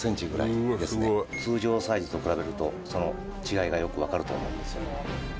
通常のサイズと比べると違いがよくわかると思うんですよ